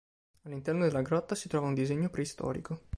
All'interno della grotta si trova un disegno preistorico.